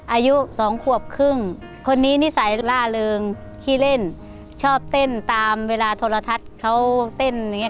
อายุสองขวบครึ่งคนนี้นิสัยล่าเริงขี้เล่นชอบเต้นตามเวลาโทรทัศน์เขาเต้นอย่างเงี้